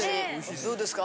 どうですか？